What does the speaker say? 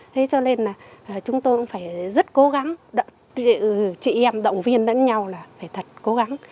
thế cho nên là chúng tôi cũng phải rất cố gắng chị em động viên lẫn nhau là phải thật cố gắng